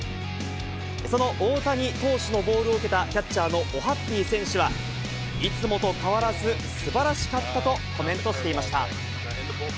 その大谷投手のボールを受けた、キャッチャーのオハッピー選手は、いつもと変わらずすばらしかったとコメントしていました。